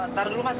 ntar dulu mas